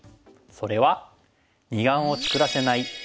それは。